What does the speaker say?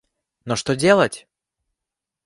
Но что делать!